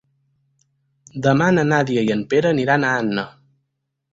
Demà na Nàdia i en Pere aniran a Anna.